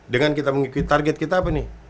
dengan kita mengikuti target kita apa nih